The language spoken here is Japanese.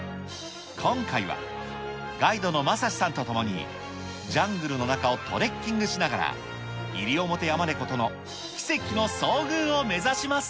今回はガイドの雅史さんと共に、ジャングルの中をトレッキングしながら、イリオモテヤマネコとの奇跡の遭遇を目指します。